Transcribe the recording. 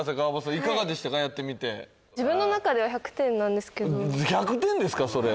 いかがでしたかやってみて自分の中では１００点なんですけど１００点ですかそれ！？